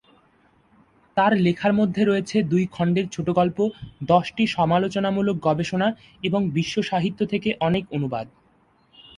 তার লেখার মধ্যে রয়েছে দুই খণ্ডের ছোটগল্প, দশটি সমালোচনামূলক গবেষণা এবং বিশ্ব সাহিত্য থেকে অনেক অনুবাদ।